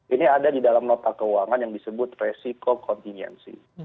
ini ada di dalam nota keuangan yang disebut resiko continuensi